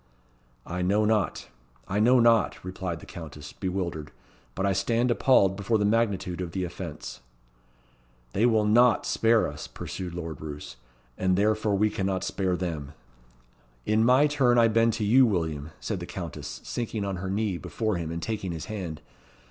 "I know not I know not," replied the Countess, bewildered; "but I stand appalled before the magnitude of the offence." "They will not spare us," pursued Lord Roos; "and therefore we cannot spare them." "In my turn I bend to you, William," said the Countess, sinking on her knee before him, and taking his hand.